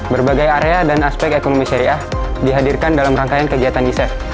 berbagai area dan aspek ekonomi syariah dihadirkan dalam rangkaian kegiatan giset